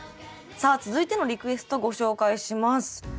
さあ続いてのリクエストご紹介します。